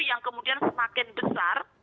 yang kemudian semakin besar